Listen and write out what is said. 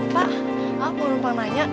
pak aku lupa nanya